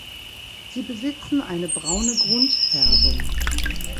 Sie besitzen eine braune Grundfärbung.